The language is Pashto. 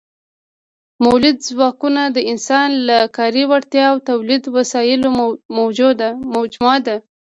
مؤلده ځواکونه د انسان د کاري وړتیا او تولیدي وسایلو مجموعه ده.